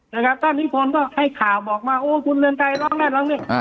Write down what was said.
นะครับท่านนิพนธ์ก็ให้ข่าวบอกมาโอ้คุณเรือนไกรร้องได้ร้องได้